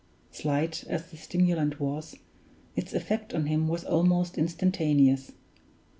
Slight as the stimulant was, its effect on him was almost instantaneous.